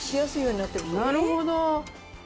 なるほど。